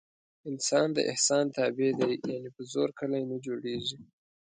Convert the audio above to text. انسان د احسان تابع دی. یعنې په زور کلي نه جوړېږي.